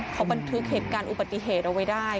เขาบันทึกเหตุการณ์อุบัติเหตุเอาไว้ได้